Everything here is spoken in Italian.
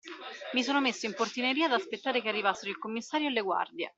Mi sono messo in portineria ad aspettare che arrivassero il commissario e le guardie.